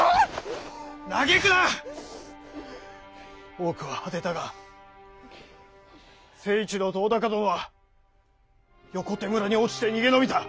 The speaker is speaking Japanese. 多くは果てたが成一郎と尾高殿は横手村に落ちて逃げ延びた。